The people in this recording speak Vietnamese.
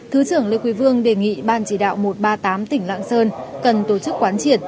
thứ trưởng lê quý vương đề nghị ban chỉ đạo một trăm ba mươi tám tỉnh lạng sơn cần tổ chức quán triệt